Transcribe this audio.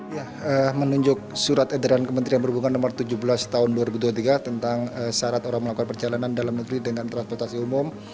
ya menunjuk surat edaran kementerian perhubungan no tujuh belas tahun dua ribu dua puluh tiga tentang syarat orang melakukan perjalanan dalam negeri dengan transportasi umum